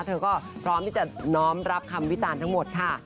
เธอก็พร้อมที่จะน้อมรับคำวิจารณ์ทั้งหมดค่ะ